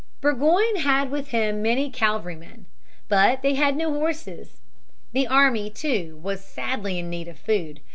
Burgoyne had with him many cavalrymen. But they had no horses. The army, too, was sadly in need of food.